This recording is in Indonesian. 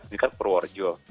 ini kan perwarjo